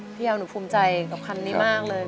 ยาวหนูภูมิใจกับคำนี้มากเลย